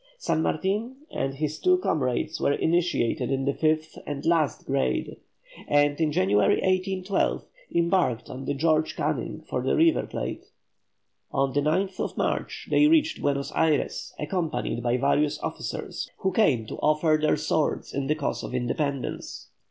San Martin and his two comrades were initiated in the fifth and last grade, and in January, 1812, embarked on the George Canning for the River Plate. On the 9th March they reached Buenos Ayres, accompanied by various officers who came to offer their swords in the cause of independence.